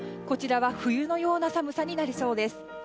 こちらは冬のような寒さになりそうです。